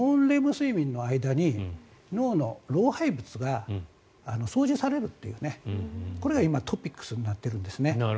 睡眠の間に脳の老廃物が掃除をされるというこれが今トピックスになってるんですね。